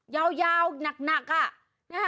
ยาวยาวหนักอ่ะ